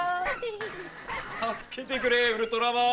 助けてくれウルトラマン。